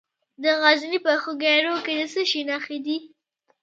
د غزني په خوږیاڼو کې د څه شي نښې دي؟